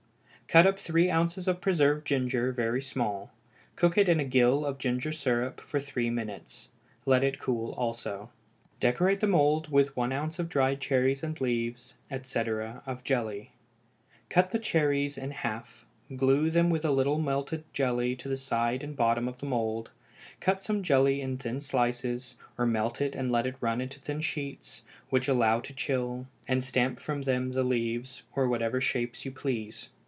Cut up three ounces of preserved ginger very small; cook it in a gill of ginger syrup for three minutes. Let it cool also. Decorate the mould with one ounce of dried cherries and leaves, etc., of jelly. Cut the cherries in half, glue them with a little melted jelly to the side and bottom of the mould; cut some jelly in thin slices, or melt it and let it run into thin sheets, which allow to chill, and stamp from them leaves, or whatever shapes you please.